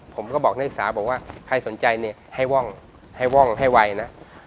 ผมก็บอกนักศึกษาบอกว่าใครสนใจเนี่ยให้ว่องให้ว่องให้ไวนะ